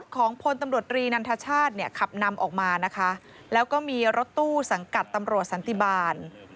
ของพลตำรวจรีนันทชาติเนี่ยขับนำออกมานะคะแล้วก็มีรถตู้สังกัดตำรวจสันติบาล